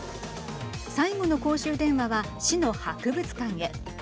最後の公衆電話は市の博物館へ。